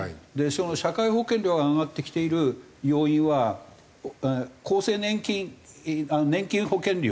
社会保険料が上がってきている要因は厚生年金年金保険料が上がってきてる。